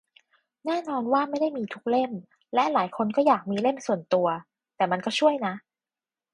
แน่นอนว่าไม่ได้มีทุกเล่ม และหลายคนก็อยากมีเล่มส่วนตัว แต่มันก็ช่วยนะ